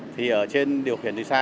thì ở trên điều khiển từ xa